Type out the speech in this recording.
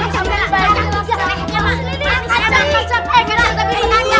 jempol yang kacau kacau